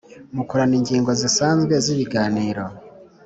mukorana Ingingo zisanzwe z ibiganiro